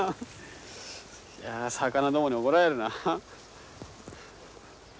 いや魚どもに怒られるな。